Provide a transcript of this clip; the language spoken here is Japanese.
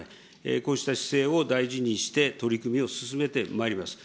こうした姿勢を大事にして、取り組みを進めてまいります。